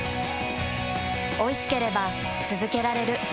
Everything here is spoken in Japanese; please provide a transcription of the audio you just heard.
おいしければつづけられる。